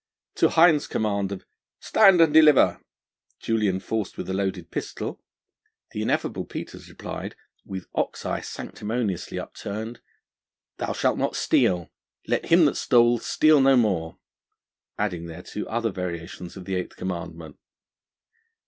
To Hind's command of 'Stand and deliver!' duly enforced with a loaded pistol, the ineffable Peters replied with ox eye sanctimoniously upturned: 'Thou shalt not steal; let him that stole, steal no more,' adding thereto other variations of the eighth commandment.